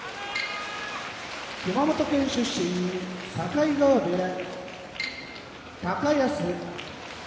熊本県出身境川部屋高安